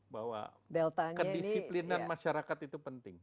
bahwa kedisiplinan masyarakat itu penting